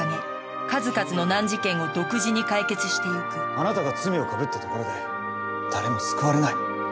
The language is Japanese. あなたが罪をかぶったところで誰も救われない。